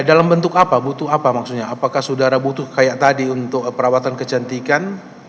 dalam bentuk apa butuh apa maksudnya apakah saudara butuh kayak tadi untuk perawatan kecantikan